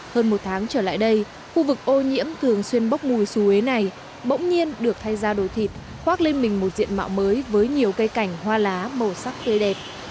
hơn một tháng trở lại đây khu vực ô nhiễm thường xuyên bốc mùi xuống ế này bỗng nhiên được thay ra đổi thịt khoác lên mình một diện mạo mới với nhiều cây cảnh hoa lá màu sắc tươi đẹp